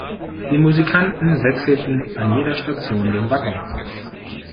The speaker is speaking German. Die Musikanten wechselten an jeder Station den Wagon.